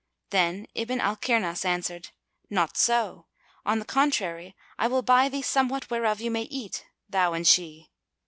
Then Ibn al Kirnas answered, "No so: on the contrary, I will buy thee somewhat whereof you may eat, thou and she."